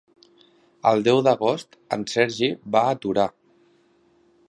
El deu d'agost en Sergi va a Torà.